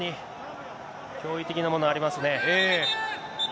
脅威的なものありますね。